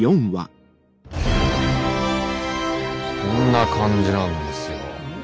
こんな感じなんですよ。